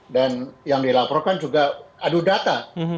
dan yang dilaporkan juga adu data